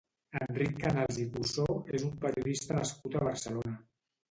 Enric Canals i Cussó és un periodista nascut a Barcelona.